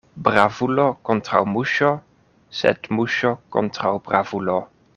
Bravulo kontraŭ muŝo, sed muŝo kontraŭ bravulo.